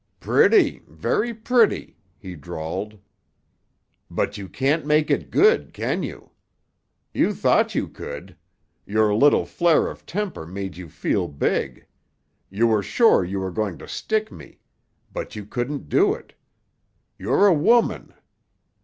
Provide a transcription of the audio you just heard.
"Pretty, very pretty!" he drawled. "But you can't make it good, can you? You thought you could. Your little flare of temper made you feel big. You were sure you were going to stick me. But you couldn't do it. You're a woman.